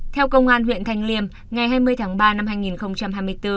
theo công an huyện thanh liêm ngày hai mươi tháng ba năm hai nghìn hai mươi bốn